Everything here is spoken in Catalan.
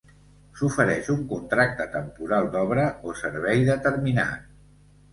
S'ofereix un contracte temporal d'obra o servei determinat.